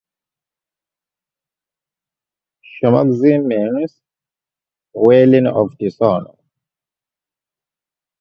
Suamuxi means "Dwelling of the Sun".